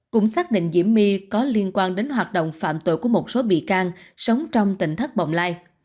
cũng xác định diễm my có liên quan đến hoạt động phạm tội của một số bị can sống trong tỉnh thất bồng lai